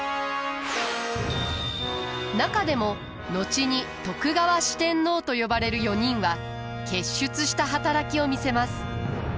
中でも後に徳川四天王と呼ばれる４人は傑出した働きを見せます。